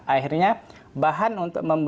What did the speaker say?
akhirnya bahan untuk membuangnya